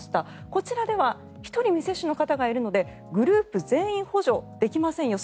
こちらでは１人、未接種の方がいるのでグループ全員補助できませんよ